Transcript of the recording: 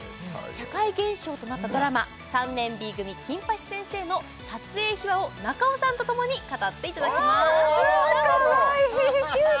社会現象となったドラマ「３年Ｂ組金八先生」の撮影秘話を中尾さんとともに語っていただきますわあかわいいチューだ！